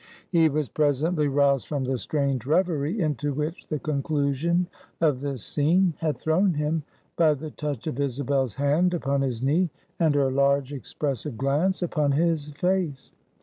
He was presently roused from the strange revery into which the conclusion of this scene had thrown him, by the touch of Isabel's hand upon his knee, and her large expressive glance upon his face.